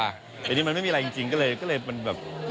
แต่นี่มันไม่มีอะไรจริงก็เลยก็เลยแบบ